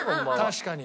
確かに。